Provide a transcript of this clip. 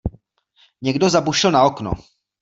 Někdo zabušil na okno.